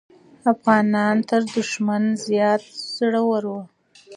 افغانان تر دښمن زیات زړور وو.